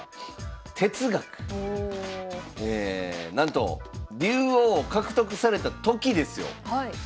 なんと竜王を獲得された時ですよ